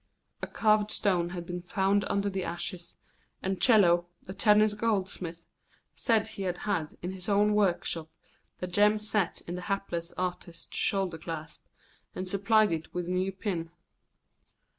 A carved stone had been found under the ashes, and Chello, the Tennis goldsmith, said he had had in his own workshop the gem set in the hapless artist's shoulder clasp, and supplied it with a new pin.